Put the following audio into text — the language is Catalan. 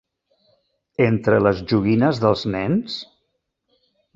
Entre les joguines dels nens?